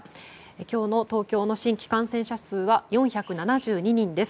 今日の東京の新規感染者数は４７２人です。